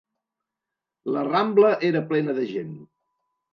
La Rambla era plena de gent